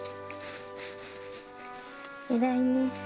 偉いね。